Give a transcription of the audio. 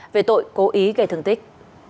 về tội cố ý gây thương tích